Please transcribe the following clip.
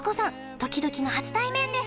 ドキドキの初対面です！